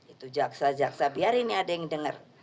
itu jaksa jaksa biar ini ada yang denger